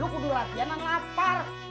lo kudu rakyatnya lapar